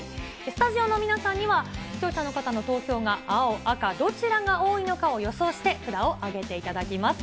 スタジオの皆さんには、視聴者の方の投票が青、赤どちらが多いのかを予想して札を挙げていただきます。